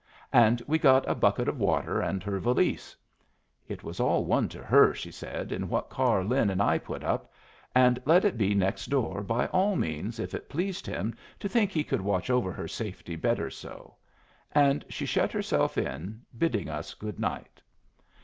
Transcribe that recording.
And we got a bucket of water and her valise. It was all one to her, she said, in what car Lin and I put up; and let it be next door, by all means, if it pleased him to think he could watch over her safety better so; and she shut herself in, bidding us good night.